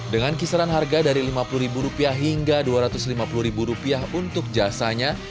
dengan kisaran harga dari rp lima puluh hingga rp dua ratus lima puluh untuk jasanya